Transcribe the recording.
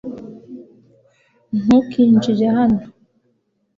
ntukinjire hano